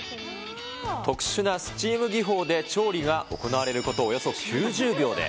特殊なスチーム技法で調理が行われること、およそ９０秒で。